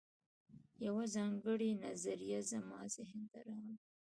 یوه ځانګړې نظریه زما ذهن ته راغله